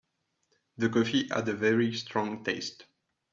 The coffee had a very strong taste.